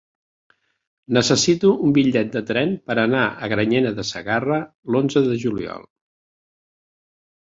Necessito un bitllet de tren per anar a Granyena de Segarra l'onze de juliol.